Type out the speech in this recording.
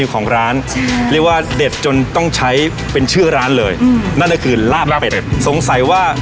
ครับผมทัวร์จีนเค้ามาเที่ยว๖๓